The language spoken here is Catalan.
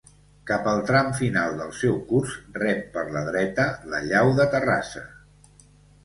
Cap al tram final del seu curs rep per la dreta la llau de Terrassa.